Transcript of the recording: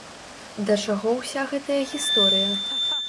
Да чаго ўся гэтая гісторыя?